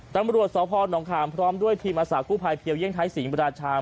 ตำรวจสพนขามพร้อมด้วยทีมอาสากู้ภัยเพียวเยี่ยศรีบราชา